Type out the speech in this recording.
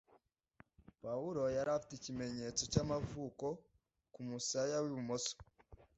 Pawulo yari afite ikimenyetso cyamavuko kumusaya wibumoso